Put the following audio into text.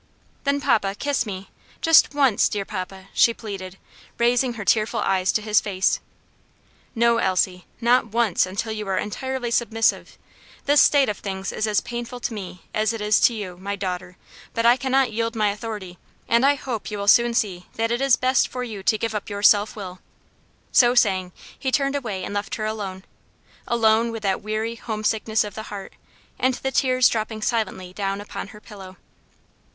"Then, papa, kiss me; just once, dear papa!" she pleaded, raising her tearful eyes to his face. "No, Elsie, not once until you are entirely submissive. This state of things is as painful to me as it into you, my daughter; but I cannot yield my authority, and I hope you will soon see that it is best for you to give up your self will." So saying, he turned away and left her alone; alone with that weary home sickness of the heart, and the tears dropping silently down upon her pillow.